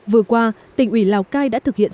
vừa qua tỉnh ủy lào cai đã thực hiện